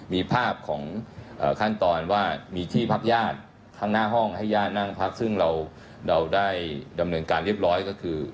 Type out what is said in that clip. มีภาพของขั้นตอนว่ามีที่พักญาติข้างหน้าห้องให้ญาตินั่งพักซึ่งเราได้ดำเนินการเรียบร้อยก็คือ